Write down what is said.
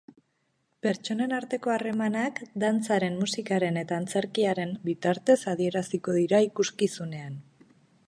Pertsonen arteko harremanak, dantzaren, musikaren eta antzerkiaren bitartez adieraziko dira ikuskizunean.